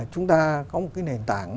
chúng ta có một cái nền tảng